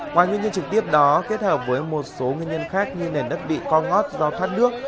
ngoài nguyên nhân trực tiếp đó kết hợp với một số nguyên nhân khác như nền đất bị co ngót do thoát nước